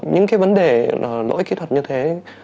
những cái vấn đề lỗi kỹ thuật như thế